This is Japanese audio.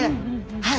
はい。